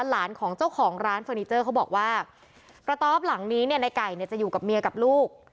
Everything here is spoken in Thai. หลานของเจ้าของร้านเฟอร์นิเจอร์เขาบอกว่ากระต๊อบหลังนี้เนี่ยในไก่เนี่ยจะอยู่กับเมียกับลูก